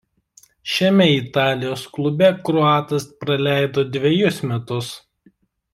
Šiame Italijos klube kroatas praleido dvejus metus.